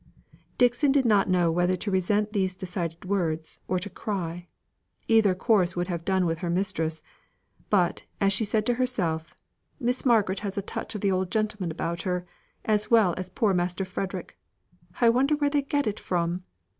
Dixon did not know whether to resent these decided words or to cry; either course would have suited her mistress: but as she said to herself, "Miss Margaret has a touch of the old gentleman about her, as well as poor Master Frederick; I wonder where they get it from?"